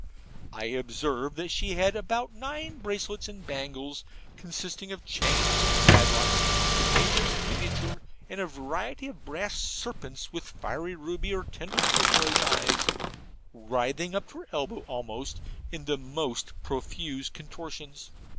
I observed she had about nine bracelets and bangles, consisting of chains and padlocks, the Major's miniature, and a variety of brass serpents with fiery ruby or tender turquoise eyes, writhing up to her elbow almost, in the most profuse contortions.